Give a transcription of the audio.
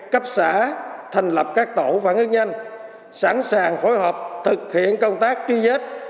cấp xã thành lập các tổ phản ứng nhanh sẵn sàng phối hợp thực hiện công tác truy vết